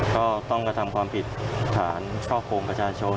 ก็ต้องกระทำความผิดฐานช่อกงประชาชน